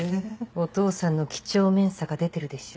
お父さんの几帳面さが出てるでしょ。